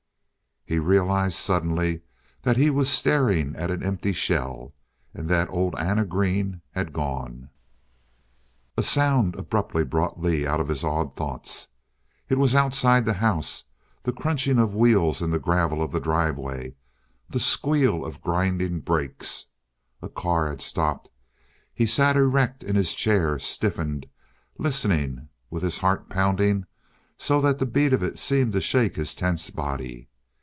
He realized suddenly that he was staring at an empty shell and that old Anna Green had gone.... A sound abruptly brought Lee out of his awed thoughts. It was outside the house the crunching of wheels in the gravel of the driveway the squeal of grinding brakes. A car had stopped. He sat erect in his chair, stiffened, listening, with his heart pounding so that the beat of it seemed to shake his tense body.